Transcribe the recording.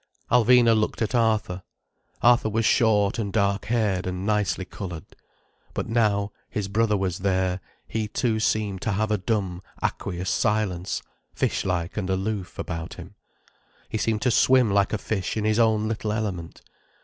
Alvina looked at Arthur. Arthur was short and dark haired and nicely coloured. But, now his brother was there, he too seemed to have a dumb, aqueous silence, fish like and aloof, about him. He seemed to swim like a fish in his own little element.